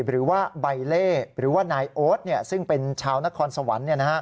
หรือว่าใบเล่หรือว่านายโอ๊ตซึ่งเป็นชาวนครสวรรค์